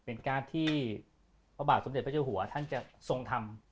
การ์ดที่พระบาทสมเด็จพระเจ้าหัวท่านจะทรงทำ